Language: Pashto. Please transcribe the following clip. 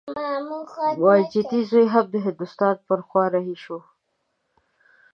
ماجتي زوی هم د هندوستان پر خوا رهي شو.